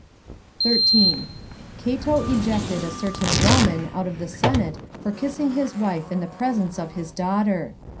13. Cato ejected a certain Roman out of the senate for kissing his wife in the presence of his daughter.